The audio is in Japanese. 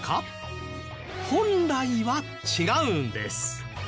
本来は違うんです